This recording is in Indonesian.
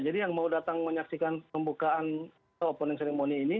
jadi yang mau datang menyaksikan pembukaan opening ceremony ini